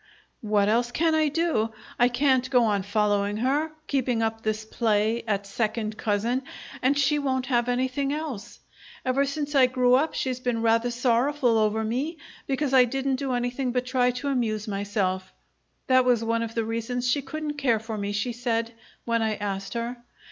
"What else can I do? I can't go on following her, keeping up this play at second cousin, and she won't have anything else. Ever since I grew up she's been rather sorrowful over me because I didn't do anything but try to amuse myself that was one of the reasons she couldn't care for me, she said, when I asked her.